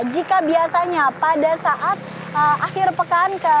jika biasanya pada saat akhir pekan